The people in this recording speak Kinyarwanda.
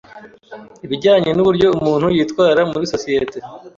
’ibijyanye n’uburyo umuntu yitwara muri sosiyete.